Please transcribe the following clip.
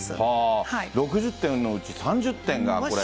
６０点のうち３０点が。